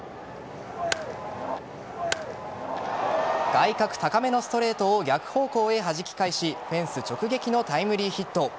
外角高めのストレートを逆方向へはじき返しフェンス直撃のタイムリーヒット。